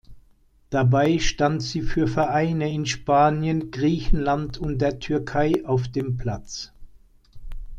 Dabei stand sie für Vereine in Spanien, Griechenland und der Türkei auf dem Platz.